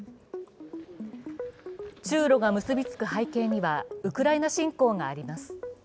中ロが結びつく背景にはウクライナ侵攻があります。